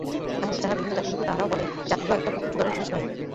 এমন কি যাহারা বিভিন্ন জাতিভুক্ত তাহারাও বলে, জাতিবিভাগ একটা খুব উঁচুদরের জিনিষ নয়।